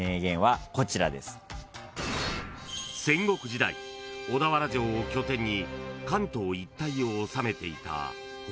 ［戦国時代小田原城を拠点に関東一帯を治めていた北条氏］